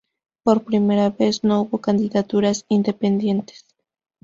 Por primera vez, no hubo candidaturas independientes.